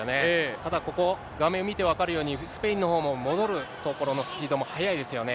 ただここ、画面見て分かるように、スペインのほうも戻るところのスピードも速いですよね。